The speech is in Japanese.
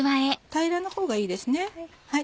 平らなほうがいいですね。